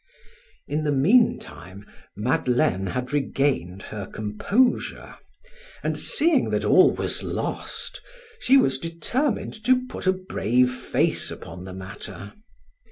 In the meantime Madeleine had regained her composure, and seeing that all was lost, she was determined to put a brave face upon the matter.